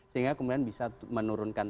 sehingga kemudian bisa menurunkan